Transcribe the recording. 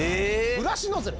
ブラシノズル。